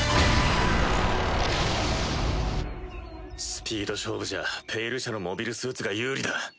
スピード勝負じゃ「ペイル社」のモビルスーツが有利だ。